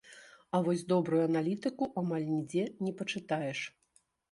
А вось добрую аналітыку амаль нідзе не пачытаеш.